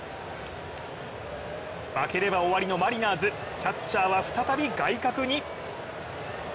負ければ終わりのマリナーズキャッチャーは再び外角に。